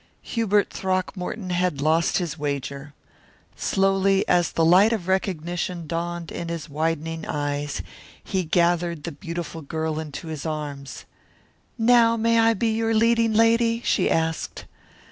Hubert Throckmorton had lost his wager. Slowly, as the light of recognition dawned in his widening eyes, he gathered the beautiful girl into his arms. "Now may I be your leading lady?" she asked.